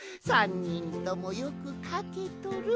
３にんともよくかけとる。